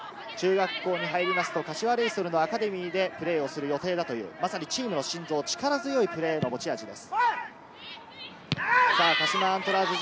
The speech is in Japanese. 中学校に入りますと柏レイソルのアカデミーでプレーをする予定だというチームの心臓、力強いプレーが持ち味です。